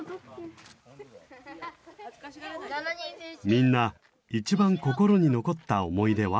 みんな一番心に残った思い出は？